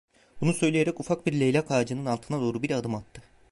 Bunu söyleyerek ufak bir leylak ağacının altına doğru bir adım attı.